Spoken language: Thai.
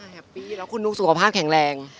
แฮปปี้แล้วคุณดูสุขภาพแข็งแรง